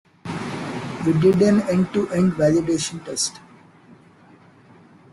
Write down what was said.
We did an end-to-end validation test.